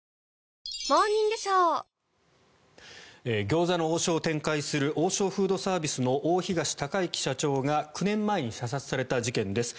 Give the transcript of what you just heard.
餃子の王将を展開する王将フードサービスの大東隆行社長が９年前に射殺された事件です。